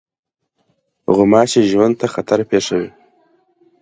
غوماشې ژوند ته خطر پېښوي.